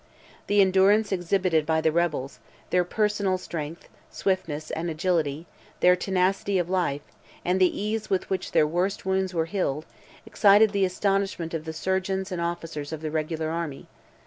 The endurance exhibited by the rebels, their personal strength, swiftness and agility; their tenacity of life, and the ease with which their worst wounds were healed, excited the astonishment of the surgeons and officers of the regular army.